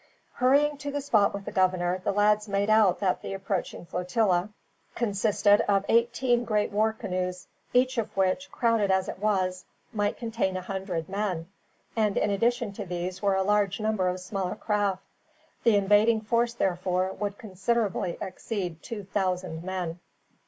Hurrying to the spot with the governor, the lads made out that the approaching flotilla consisted of eighteen great war canoes, each of which, crowded as it was, might contain a hundred men; and in addition to these were a large number of smaller craft. The invading force, therefore, would considerably exceed two thousand men.